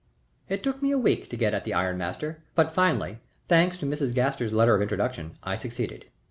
It took me a week to get at the iron master; but finally, thanks to Mrs. Gaster's letter of introduction, I succeeded.